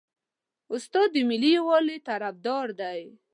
استاد د ملي یووالي طرفدار دی.